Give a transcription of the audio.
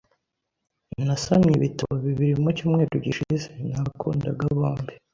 Nasomye ibitabo bibiri mu cyumweru gishize .Nabakundaga bombi .